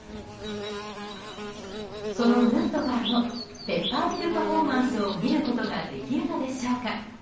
そのヌートバーのペッパーミルパフォーマンスを見ることができるのでしょうか。